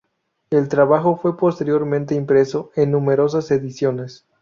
El trabajo fue posteriormente impreso en numerosas ediciones.